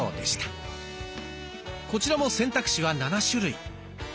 こちらも選択肢は７種類。